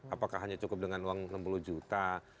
apakah hanya cukup dengan uang enam puluh juta